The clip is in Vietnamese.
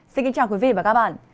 xin kính chào quý vị và các bạn